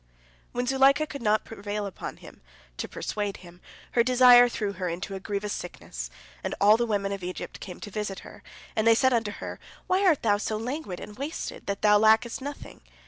When Zuleika could not prevail upon him, to persuade him, her desire threw her into a grievous sickness, and all the women of Egypt came to visit her, and they said unto her, "Why art thou so languid and wasted, thou that lackest nothing?